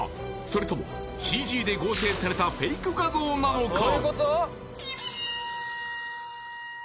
それともＣＧで合成されたフェイク画像なのか？